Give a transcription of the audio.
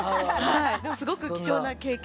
でもすごく貴重な経験。